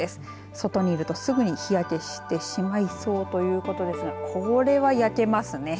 外にいると、すぐに日焼けしてしまいそうということですがこれは焼けますね。